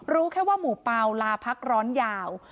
รู้แค่ว่าหมู่เปล่าลาพักร้อนยาว